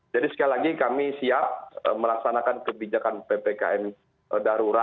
jadi sekali lagi kami siap melaksanakan kebijakan masker